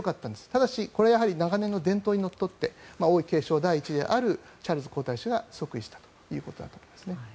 ただし、これは長年の伝統にのっとって王位継承第１位であるチャールズ皇太子が即位したということだと思いますね。